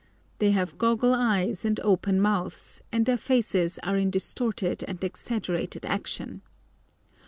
They have goggle eyes and open mouths, and their faces are in distorted and exaggerated action.